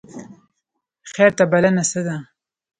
خیر ته بلنه څه ده؟